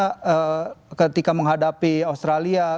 karena ketika menghadapi australia